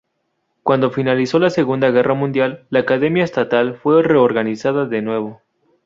Cuando finalizó la Segunda Guerra Mundial, la Academia Estatal fue reorganizada de nuevo.